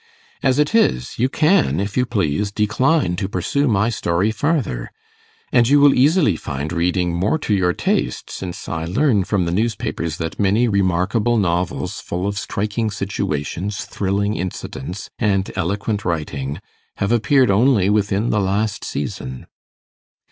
As it is, you can, if you please, decline to pursue my story farther; and you will easily find reading more to your taste, since I learn from the newspapers that many remarkable novels, full of striking situations, thrilling incidents, and eloquent writing, have appeared only within the last season.